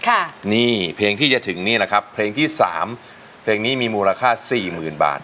ค่ะนี่เพลงที่จะถึงนี่แหละครับเพลงที่สามเพลงนี้มีมูลค่าสี่หมื่นบาท